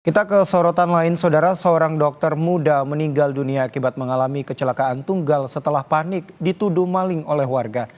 kita ke sorotan lain saudara seorang dokter muda meninggal dunia akibat mengalami kecelakaan tunggal setelah panik dituduh maling oleh warga